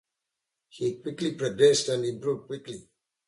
He quickly progressed and improved quickly.